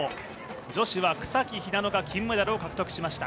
女子は草木ひなのが金メダルを獲得しました。